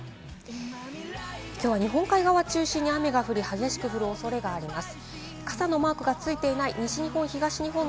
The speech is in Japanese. きょうは日本海側を中心に雨が降り、激しく降るおそれがあります。